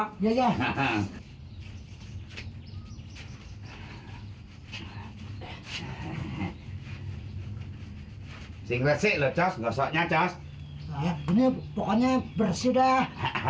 hai singresyle cecpetannya miliboko nya bersih dah